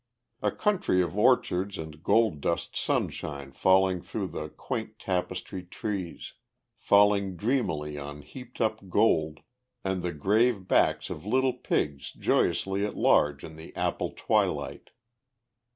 A country of orchards and gold dust sunshine falling through the quaint tapestry trees, falling dreamily on heaped up gold, and the grave backs of little pigs joyously at large in the apple twilight.